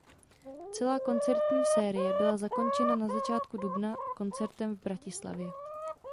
Celá koncertní série byla zakončena na začátku dubna koncertem v Bratislavě.